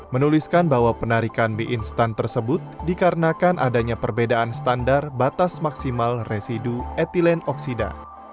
menuliskan bahwa penarikan mie instan tersebut dikarenakan adanya perbedaan standar batas maksimal residu etilen oksida